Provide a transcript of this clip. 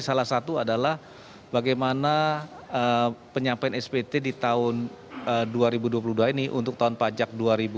salah satu adalah bagaimana penyampaian spt di tahun dua ribu dua puluh dua ini untuk tahun pajak dua ribu dua puluh